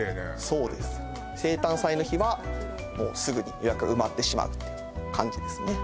そうです生誕祭の日はもうすぐに予約が埋まってしまうっていう感じですね